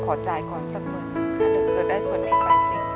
ขอจ่ายก่อนสักมือนถ้าถือเกิดได้ส่วนใหญ่ไปจริง